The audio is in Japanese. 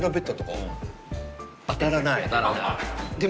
当たらない。